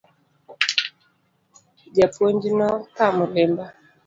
Ja puonj no pamo lemba.